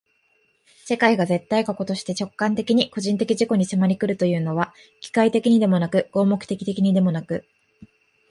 世界が絶対過去として直観的に個人的自己に迫り来るというのは、機械的にでもなく合目的的にでもなく、